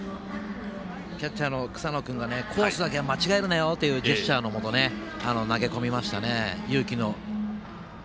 キャッチャーの草野君がコースだけは間違えるなよというジェスチャーのもと投げ込みましたね。